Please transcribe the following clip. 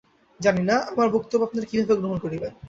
জানি না, আমার বক্তব্য আপনারা কি ভাবে গ্রহণ করিবেন।